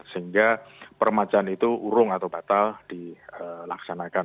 sehingga permajaan itu urung atau batal dilaksanakan